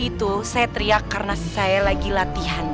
itu saya teriak karena saya lagi latihan